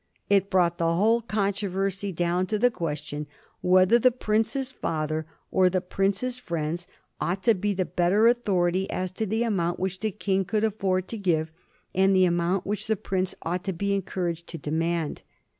It brought the whole controversy down to the question whether the prince's father or the prince's friends ought to be the better authority as to the amount which the King could afford to give, and the amount which the prince ought to be encouraged to demand.